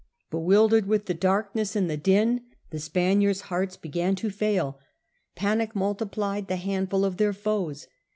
Be wildered with the darkness and the din the Spaniards' hearts began to fail. Panic multiplied the handful of their foes.